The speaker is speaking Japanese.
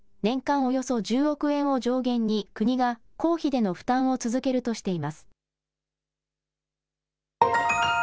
およそ１０億円を上限に国が公費での負担を続けるとしています。